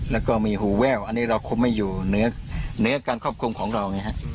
แล้วก็มีหูแววอันนี้เราควบคุมให้อยู่เหนือการควบคุมของเรา